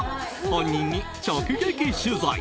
本人に直撃取材。